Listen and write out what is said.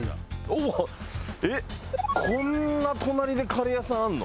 えっこんな隣でカレー屋さんあるの？